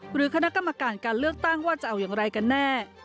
หรือคณะกรรมการการเลือกตั้งว่าจะเอาอย่างไรกันแน่